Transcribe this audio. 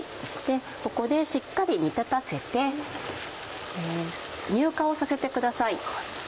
ここでしっかり煮立たせて乳化をさせてください。